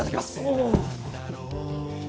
おお。